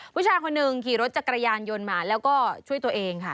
ผู้ชายคนหนึ่งขี่รถจักรยานยนต์มาแล้วก็ช่วยตัวเองค่ะ